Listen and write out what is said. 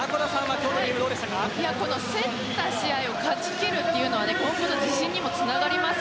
競った試合を勝ち切るのは今後の自信にもつながります。